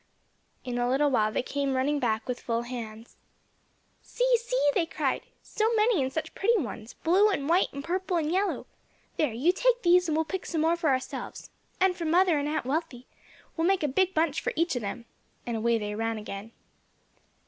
In a little while they came running back with full hands. "See, see!" they said, "so many and such pretty ones blue, and white, and purple, and yellow. There, you take these and we'll pick some more for ourselves. And for mother and Aunt Wealthy; we'll make a big bunch for each of them," and away they ran again.